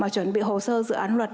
chuẩn bị hồ sơ dự án luật